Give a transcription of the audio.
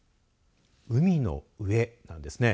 海の上なんですね。